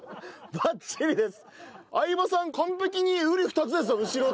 バッチリです。